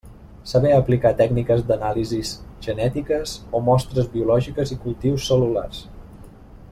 Saber aplicar tècniques d'anàlisis genètiques o mostres biològiques i cultius cel·lulars.